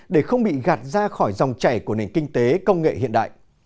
để không bị gạt ra khỏi dòng chảy của nền kinh tế công nghệ hiện đại